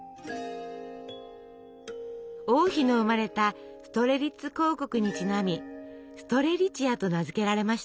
王妃の生まれたストレリッツ公国にちなみ「ストレリチア」と名付けられました。